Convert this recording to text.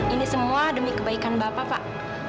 ini semua demi kebaikan bapak pak